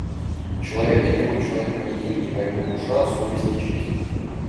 Человека делают человеком не деньги, а его душа, совесть и честь.